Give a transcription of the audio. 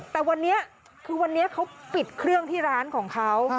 แต่วันนี้คือวันนี้เขาปิดเครื่องที่ร้านของเขา